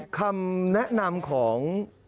คำแนะนำของ